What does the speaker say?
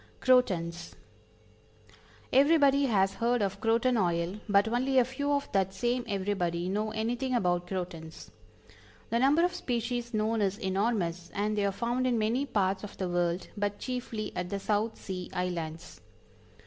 CROTONS. Everybody has heard of croton oil, but only a few of that same everybody know anything about Crotons. The number of species known is enormous, and they are found in many parts of the world, but chiefly at the South Sea Islands.